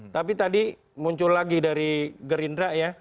tapi tadi muncul lagi dari gerindra ya